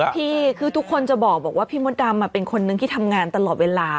พี่คือทุกคนจะบอกว่าพี่มดดำเป็นคนนึงที่ทำงานตลอดเวลา